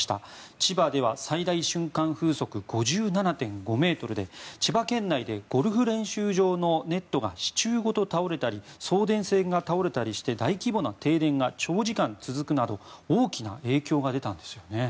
千葉では最大瞬間風速５７．５ｍで千葉県内でゴルフ練習場のネットが支柱ごと倒れたり送電線が倒れたりして大規模な停電が長時間続くなど大きな影響が出たんですよね。